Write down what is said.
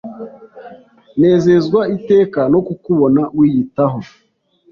Nezezwa iteka no kukubona wiyitaho